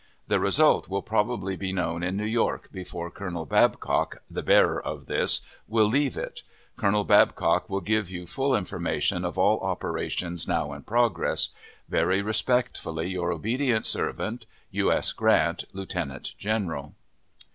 The result will probably be known in New York before Colonel Babcock (the bearer of this) will leave it. Colonel Babcock will give you full information of all operations now in progress. Very respectfully your obedient servant, U. S. GRANT, Lieutenant General.